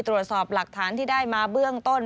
ตรวจสอบหลักฐานที่ได้มาเบื้องต้น